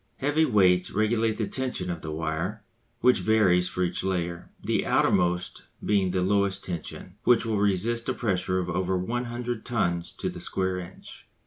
Heavy weights regulate the tension of the wire, which varies for each layer, the outermost being at the lowest tension, which will resist a pressure of over 100 tons to the square inch.